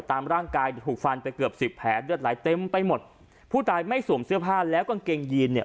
ตามร่างกายถูกฟันไปเกือบสิบแผลเลือดไหลเต็มไปหมดผู้ตายไม่สวมเสื้อผ้าแล้วกางเกงยีนเนี่ย